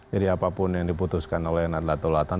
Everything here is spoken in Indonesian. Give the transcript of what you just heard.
jadi apapun yang diputuskan oleh nadlatul watan